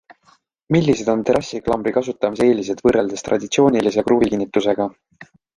Millised on terrassiklambri kasutamise eelised võrreldes traditsioonilise kruvikinnitusega?